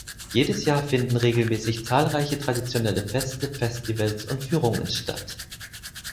Jedes Jahr finden regelmäßig zahlreiche traditionelle Feste, Festivals und Führungen statt.